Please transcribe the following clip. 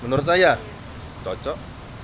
menurut saya cocok